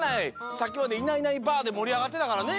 さっきまで「いないいないばあっ！」でもりあがってたからね。